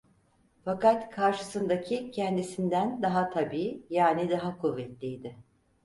Fakat karşısındaki kendisinden daha tabii, yani daha kuvvetliydi.